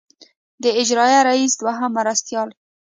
د اجرائیه رییس دوهم مرستیال.